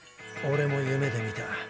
オレも夢で見た。